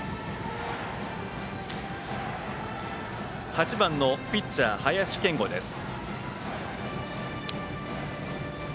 ８番のピッチャー、林謙吾です。